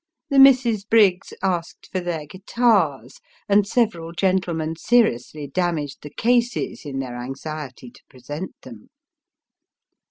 The Misses Briggs asked for their guitars, and several gentlemen seriously damaged the cases in their anxiety to present them.